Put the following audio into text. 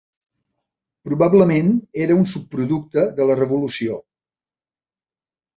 Probablement, era un subproducte de la revolució.